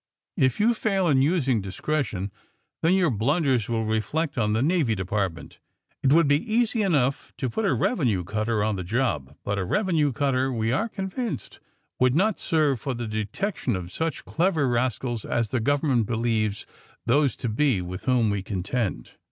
If you fail in using discretion then your blunders will reflect on the Navy De partment. It would be easy enough to put a revenue cutter on the job, but a revenue cutter, we are convinced, would not serve, for the de tection of such clever rascals as the government believes those to be with whom we contend.'